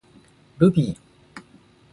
ルビー